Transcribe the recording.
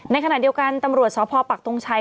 ในขณะเดียวกันตำรวจสพปักทงชัย